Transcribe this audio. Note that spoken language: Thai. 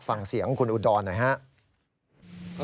ฟังเสียงคุณอุดรหน่อยครับ